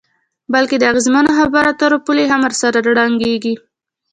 بلکې د اغیزمنو خبرو اترو پولې هم ورسره ړنګیږي.